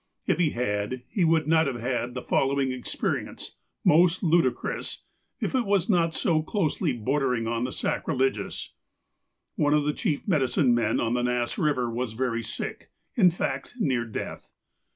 If he had, he would not have had the following experience, most ludicrous, if it was not so closely bordering on the sacrilegious : One of the chief medicine men on the Nass Eiver was very sick — in fact, near death.